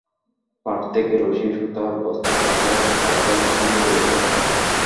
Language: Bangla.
পাট থেকে রশি, সুতা, বস্তা, কাপড়, কার্পেট ইত্যাদি তৈরি করা হয়।